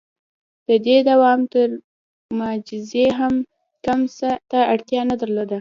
• د دې دوام تر معجزې کم څه ته اړتیا نه درلوده.